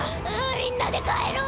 みんなで帰ろう！